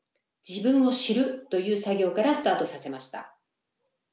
自分を知るという作業からスタートさせました。